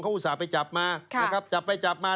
เขาอุตส่าห์ไปจับมาจับไปจับมา